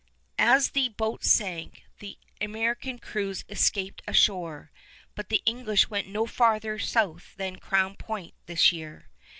As the boats sank, the American crews escaped ashore; but the English went no farther south than Crown Point this year.